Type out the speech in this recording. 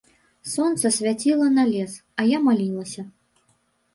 Сонца свяціла на лес, а я малілася.